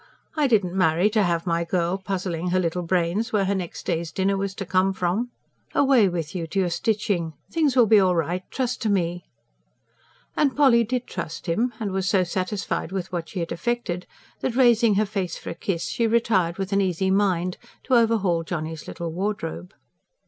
I didn't marry to have my girl puzzling her little brains where her next day's dinner was to come from. Away with you, to your stitching! Things will be all right, trust to me." And Polly did trust him, and was so satisfied with what she had effected that, raising her face for a kiss, she retired with an easy mind to overhaul Johnny's little wardrobe.